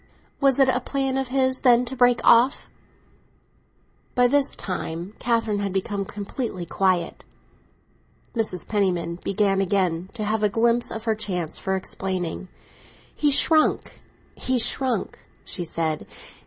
"Was it a plan of his, then, to break off—?" By this time Catherine had become completely quiet. Mrs. Penniman began again to have a glimpse of her chance for explaining. "He shrank—he shrank," she said.